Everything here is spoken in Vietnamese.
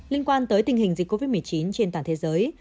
liên quan tới tình hình dịch covid một mươi chín trên toàn thế giới